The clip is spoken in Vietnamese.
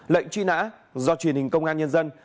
lệnh truy nã do truyền hình công an nhân dân